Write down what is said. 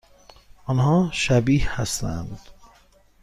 آنها شبیه هستند؟